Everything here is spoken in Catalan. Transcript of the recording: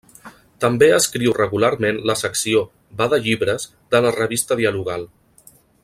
També escriu regularment la secció Va de llibres de la Revista Dialogal.